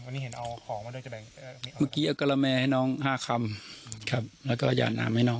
เมื่อกี้กระแมให้น้อง๕คำครับ